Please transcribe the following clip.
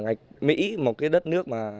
ngày mỹ một cái đất nước mà